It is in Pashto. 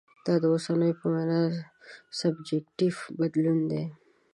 دا د اوسنو په وینا سبجکټیف بدلون دی.